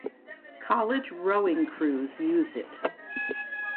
College rowing crews use it.